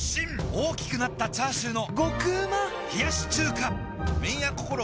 大きくなったチャーシューの麺屋こころ